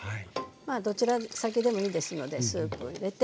まあどちら先でもいいですのでスープを入れて。